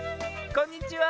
こんにちは。